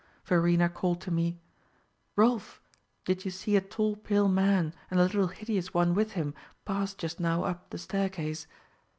Verena called to me: 'Rolf, did you see a tall pale man, and a little hideous one with him, pass just now up the staircase?